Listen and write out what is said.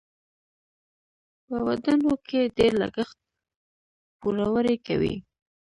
په ودونو کې ډیر لګښت پوروړي کوي.